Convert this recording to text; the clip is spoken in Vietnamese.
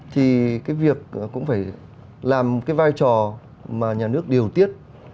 thì cái việc cũng phải làm cái vai trò mà nhà nước điều tiết